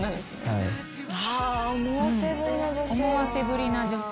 思わせぶりな女性。